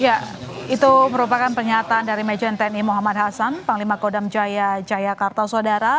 ya itu merupakan pernyataan dari majen tni muhammad hasan panglima kodam jaya jayakarta saudara